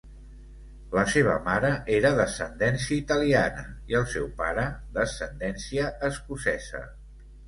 La seva mare era d'ascendència italiana i el seu pare d'ascendència escocesa.